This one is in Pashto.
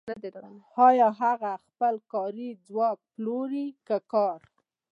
آیا هغه خپل کاري ځواک پلوري که کار